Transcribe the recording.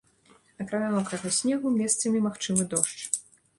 Акрамя мокрага снегу месцамі магчымы дождж.